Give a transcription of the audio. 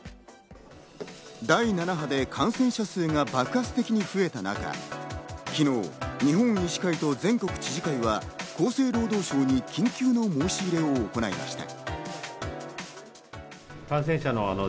第７波で感染者数が爆発的に増えた中、昨日、日本医師会と全国知事会は厚生労働省に緊急の申し入れを行いました。